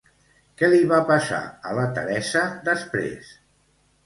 Què li va passar a la Teresa després?